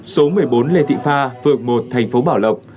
số một mươi bốn lê thị pha phường một thành phố bảo lộc